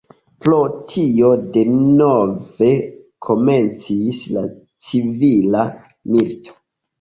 Pro tio denove komencis la civila milito.